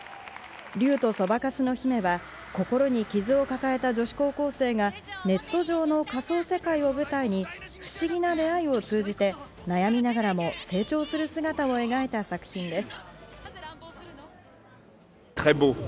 『竜とそばかすの姫』は心に傷を抱えた女子高校生がネット上の仮想世界を舞台に不思議な出会いを通じて悩みながらも成長する姿を描いた作品です。